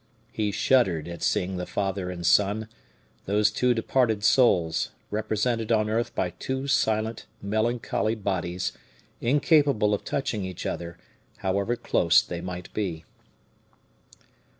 He shuddered at seeing the father and son, those two departed souls, represented on earth by two silent, melancholy bodies, incapable of touching each other, however close they might be.